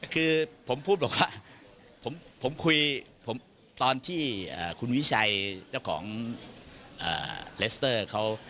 คือผมพูดบอกว่าผมคุยตอนที่คุณวิชัยเจ้าของเลสเตอร์เขา